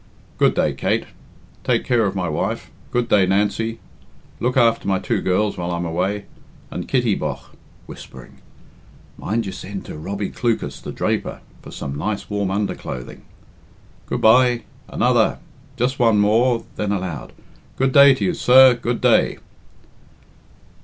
Good day, Kate. Take care of my wife. Good day, Nancy; look after my two girls while I'm away. And Kitty, bogh" (whispering), "mind you send to Robbie Clucas, the draper, for some nice warm underclothing. Good bye! Another! Just one more" (then aloud) "Good day to you, sir, good day."